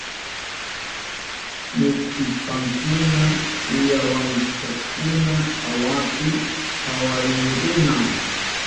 Wakra wañushkata muktishpankuna ullawankakuna awapi pawarihunkuna.